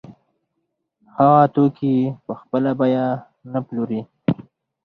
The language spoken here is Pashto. هغه توکي په خپله بیه نه پلوري